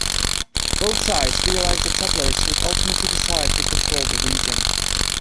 Both sides realized that settlers would ultimately decide who controlled the region.